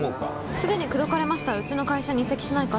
すでに口説かれましたうちの会社に移籍しないか？